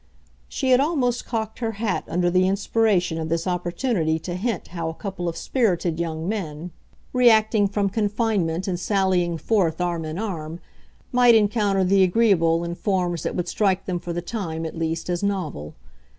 She had almost cocked her hat under the inspiration of this opportunity to hint how a couple of spirited young men, reacting from confinement and sallying forth arm in arm, might encounter the agreeable in forms that would strike them for the time at least as novel.